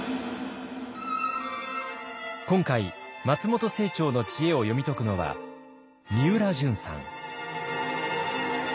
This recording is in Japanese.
今回松本清張の知恵を読み解くのはみうらじゅんさん。